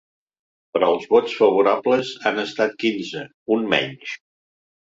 Però els vots favorables han estat quinze, un menys.